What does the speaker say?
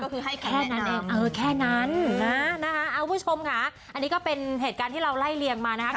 ก็คือให้แค่นั้นเองเออแค่นั้นนะนะคะคุณผู้ชมค่ะอันนี้ก็เป็นเหตุการณ์ที่เราไล่เลียงมานะคะ